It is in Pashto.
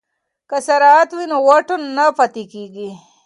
که سرعت وي نو واټن نه پاتې کیږي.